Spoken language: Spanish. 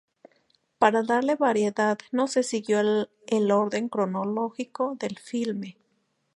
Para darle variedad no se siguió el orden cronológico del filme.